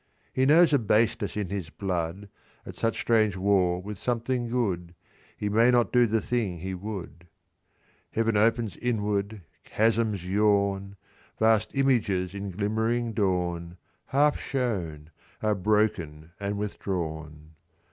"He knows a baseness in his blood At such strange war with something good, He may not do the thing he would. "Heaven opens inward, chasms yawn. Vast images in glimmering dawn, Half shown, are broken and withdrawn.